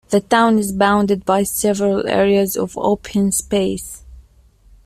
The town is bounded by several areas of open space.